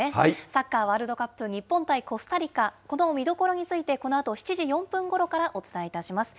サッカーワールドカップ日本対コスタリカ、この見どころについて、このあと７時４分ごろからお伝えいたします。